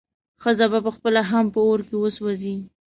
ښځه به پخپله هم په اور کې وسوځي.